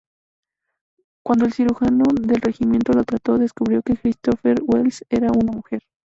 Cuando el cirujano del regimiento la trató, descubrió que Christopher Welsh era una mujer.